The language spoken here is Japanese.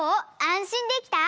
あんしんできた？